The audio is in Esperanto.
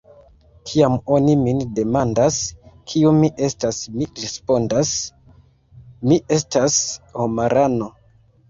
Kiam oni min demandas, kiu mi estas, mi respondas: “Mi estas homarano.”